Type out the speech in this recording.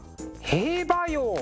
「兵馬俑」！